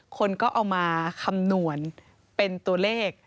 คนก็เอามาคำนวณเป็นตัวเลข